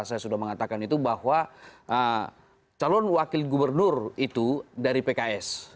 saya sudah mengatakan itu bahwa calon wakil gubernur itu dari pks